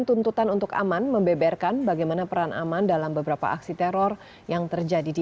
tuntutan untuk aman membeberkan bagaimana peran aman dalam beberapa aksi teror yang terjadi di